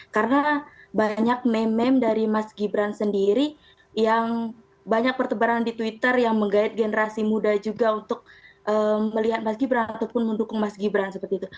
karena banyak meme meme dari mas gibran sendiri yang banyak pertebaran di twitter yang menggait generasi muda juga untuk melihat mas gibran ataupun mendukung mas gibran seperti itu